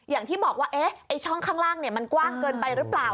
อย่างที่บอกว่าไอ้ช่องข้างล่างมันกว้างเกินไปหรือเปล่า